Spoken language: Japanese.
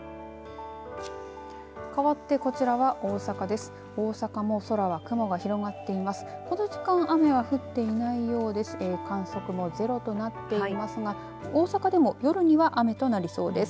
かわってこちらは大阪です。